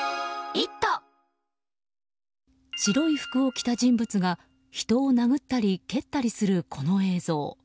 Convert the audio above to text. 白い服を着た人物が人を殴ったり蹴ったりするこの映像。